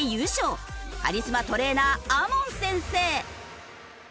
カリスマトレーナーＡＭＯＮ先生。